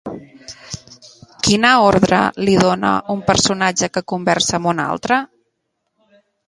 Quina ordre li dona un personatge que conversa amb un altre?